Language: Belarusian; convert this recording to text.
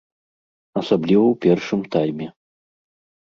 Асабліва ў першым тайме.